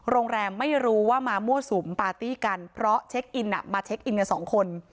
โรงแรมไม่รู้ว่ามามั่วสุมปาร์ตี้กันเพราะเช็คอินมาเช็คอินกันสองคน